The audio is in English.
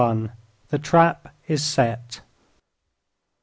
THE TRAP IS SET.